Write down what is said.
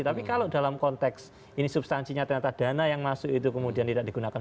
tapi kalau dalam konteks ini substansinya ternyata dana yang masuk itu kemudian tidak digunakan